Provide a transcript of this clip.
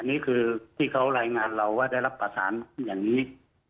นี่คือที่เขารายงานเราว่าได้รับประสานอย่างนี้